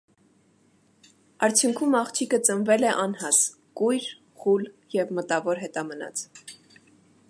Արդյունքում աղջիկը ծնվել է անհաս, կույր, խուլ և մտավոր հետամնաց։